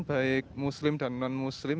baik muslim dan non muslim